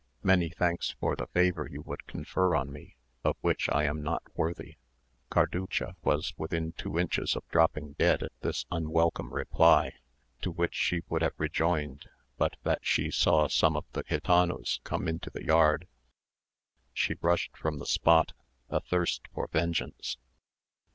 Many thanks for the favour you would confer on me, of which I am not worthy." Carducha was within two inches of dropping dead at this unwelcome reply, to which she would have rejoined, but that she saw some of the gitanos come into the yard. She rushed from the spot, athirst for vengeance.